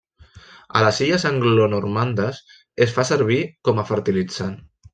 A les Illes anglonormandes es fa servir com a fertilitzant.